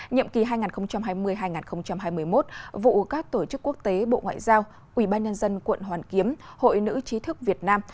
nhiệm kỳ hai nghìn hai mươi hai nghìn hai mươi một vụ các tổ chức quốc tế bộ ngoại giao ubnd quận hoàn kiếm hội nữ chí thức việt nam